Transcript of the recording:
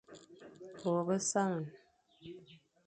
Bô besamé,